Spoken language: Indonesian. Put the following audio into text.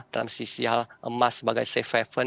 dalam sisi emas sebagai safe haven